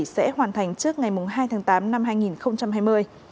sẽ hoàn thành trước ngày hai tháng tám năm hai nghìn hai mươi